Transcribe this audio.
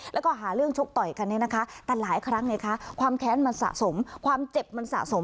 แล้วก็หาเรื่องชกต่อยกันเนี่ยนะคะแต่หลายครั้งไงคะความแค้นมันสะสมความเจ็บมันสะสม